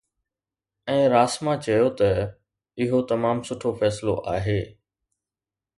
۽ راسما چيو ته اهو تمام سٺو فيصلو آهي.